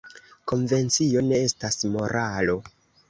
Konvencio ne estas moralo.